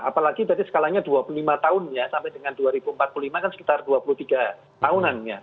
apalagi tadi skalanya dua puluh lima tahun ya sampai dengan dua ribu empat puluh lima kan sekitar dua puluh tiga tahunan ya